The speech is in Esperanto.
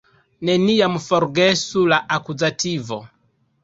Neniam forgesu la akuzativo!